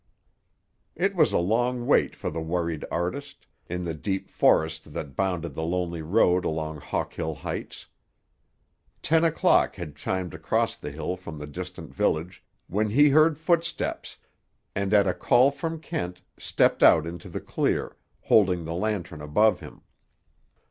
It was a long wait for the worried artist, in the deep forest that bounded the lonely road along Hawkill Heights. Ten o'clock had chimed across the hill from the distant village, when he heard footsteps, and at a call from Kent, stepped out into the clear, holding the lantern above him.